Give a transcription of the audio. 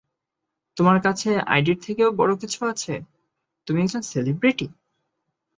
তোমার কাছে আইডির থেকে ও বড় কিছু আছে, তুমি একজন সেলিব্রিটি!